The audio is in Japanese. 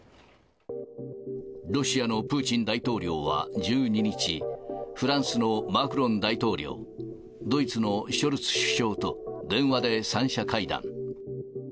ロシアのプーチン大統領は１２日、フランスのマクロン大統領、ドイツのショルツ首相と電話で３者会談。